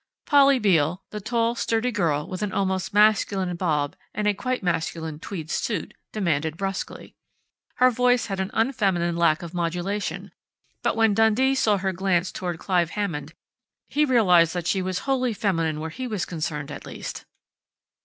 Polly Beale, the tall, sturdy girl with an almost masculine bob and a quite masculine tweed suit, demanded brusquely. Her voice had an unfeminine lack of modulation, but when Dundee saw her glance toward Clive Hammond he realized that she was wholly feminine where he was concerned, at least.